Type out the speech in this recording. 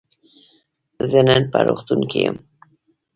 زه نن په روغتون کی یم.